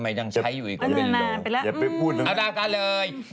ไม่ดีมากก่อน